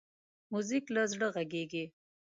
موزیک له زړه غږېږي.